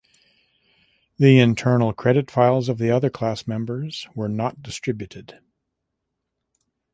The internal credit files of the other class members were not distributed.